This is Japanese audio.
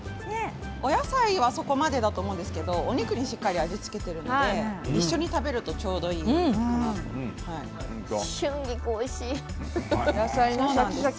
お野菜はそこまでだと思うんですがお肉にしっかりと味を付けているので一緒に食べると春菊もおいしいですね。